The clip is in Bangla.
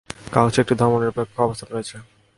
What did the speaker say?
কাগজটির একটি ধর্মনিরপেক্ষ অবস্থান রয়েছে।